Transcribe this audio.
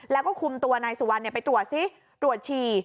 แล้วก็คุมตัวนายสุวรรณไปตรวจซิตรวจฉี่